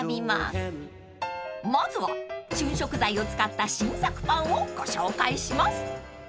［まずは旬食材を使った新作パンをご紹介します］